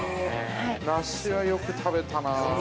◆梨はよく食べたな。